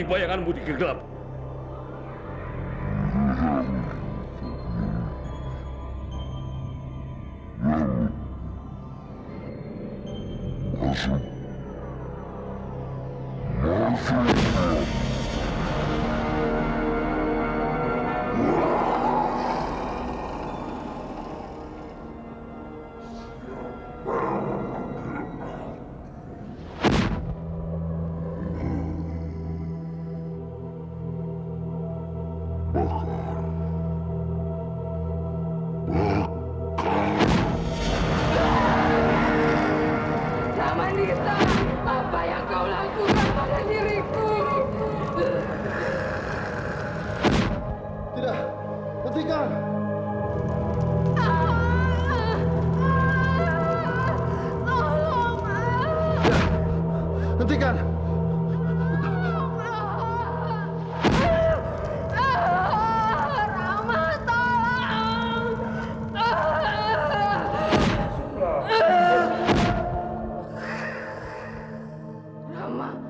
aku harus ke sana